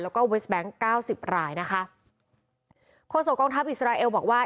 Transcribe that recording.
แล้วก็เวสแบงค์เก้าสิบรายนะคะโฆษกองทัพอิสราเอลบอกว่า